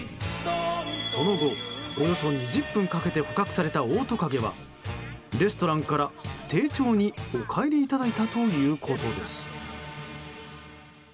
その後、およそ２０分かけて捕獲されたオオトカゲはレストランから丁重にお帰りいただいたということです。